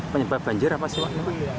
penyebab banjir apa sih